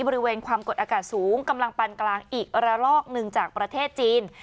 บริเวณความกดอากาศสูงกำลังปันกลางอีกระลอกหนึ่งจากประเทศจีน